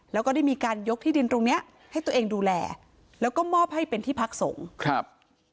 แล้วก็ได้มีการยกที่ดินตรงเนี้ยให้ตัวเองดูแลแล้วก็มอบให้เป็นที่พักสงฆ์ครับ